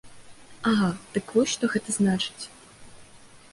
Ага, так вось што гэта значыць.